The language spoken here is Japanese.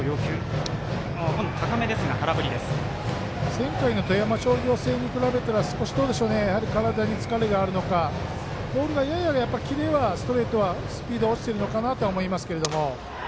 前回の富山商業戦に比べたら少し体に疲れがあるのかやや、キレがストレートはスピード落ちてるのかなと思いますけど。